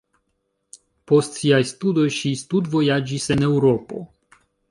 Post siaj studoj ŝi studvojaĝis en Eŭropo.